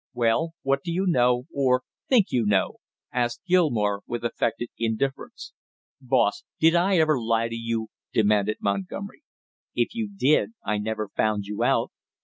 "Well, what do you know or think you know?" asked Gilmore with affected indifference. "Boss, did I ever lie to you?" demanded Montgomery. "If you did I never found you out."